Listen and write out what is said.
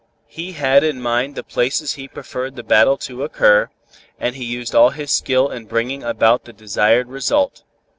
He had in mind the places he preferred the battle to occur, and he used all his skill in bringing about the desired result.